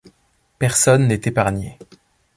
Personne n'est épargné.